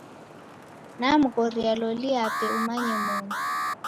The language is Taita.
Namghoria loli yape umanye moni.